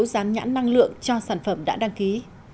rán nhãn năng lượng cho sản phẩm đã đăng ký